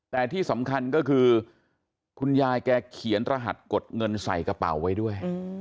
แต่ที่สำคัญก็คือคุณยายแกเขียนรหัสกดเงินใส่กระเป๋าไว้ด้วย